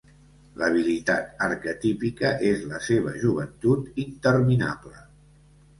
L'habilitat arquetípica és la seva joventut interminable.